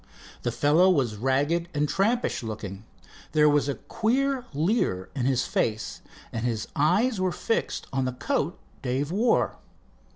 The fellow was ragged and trampish looking. There was a queer leer in his face and his eyes were fixed on the coat Dave wore.